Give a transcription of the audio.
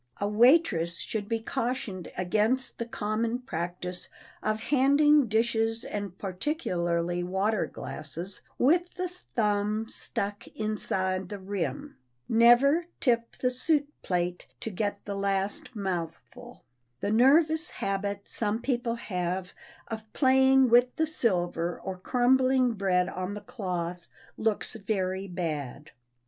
A waitress should be cautioned against the common practise of handing dishes and particularly water glasses with the thumb stuck inside the rim. Never tip the soup plate to get the last mouthful. The nervous habit some people have of playing with the silver or crumbling bread on the cloth looks very bad.